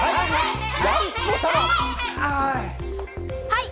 はい！